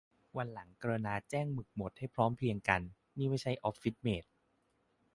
วันหลังกรุณาแจ้งหมึกหมดให้พร้อมเพรียงกัน นี่ไม่ใช่ออฟฟิศเมท